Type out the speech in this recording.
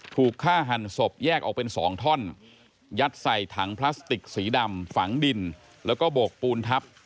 ถูกฆ่าหันศพแยกออกเป็น๒ท่อนยัดใส่ถังพลาสติกสีดำฝังดินแล้วก็โบกปูนทับ